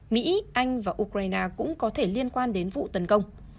mỹ anh và ukraine cũng có thể liên quan đến vụ tấn công